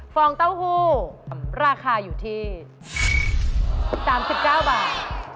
องเต้าหู้ราคาอยู่ที่๓๙บาท